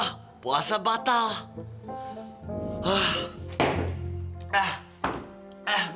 ah puasa batal